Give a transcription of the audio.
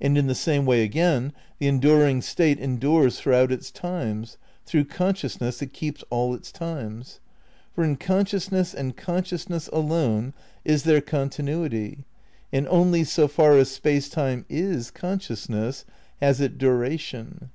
And in the same way, again, the enduring state endures throughout its times, through consciousness that keeps all its times. For in con sciousness and consciousness alone is there continuity; and only so far as Space Time is consciousness has it duration.